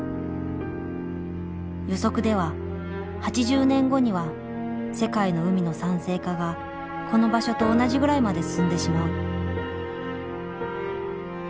予測では８０年後には世界の海の酸性化がこの場所と同じぐらいまで進んでしまう。